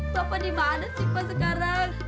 bapak dimana tiba sekarang